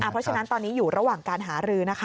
เพราะฉะนั้นตอนนี้อยู่ระหว่างการหารือนะคะ